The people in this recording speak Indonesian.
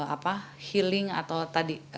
untuk healing atau tadi